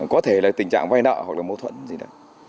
có thể là tình trạng vai nợ hoặc là mâu thuẫn gì đó